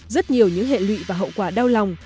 rất nhiều những hệ lụy và hậu quả đau lòng